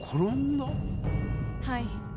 はい。